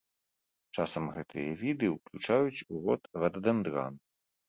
Часам гэтыя віды ўключаюць у род рададэндран.